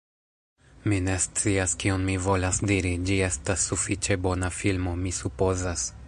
Mi ne scias kion mi volas diri ĝi estas sufiĉe bona filmo, mi supozas